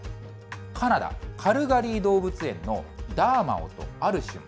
カナダ・カルガリー動物園のダーマオとアルシュン。